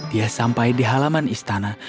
dia sampai di halaman istana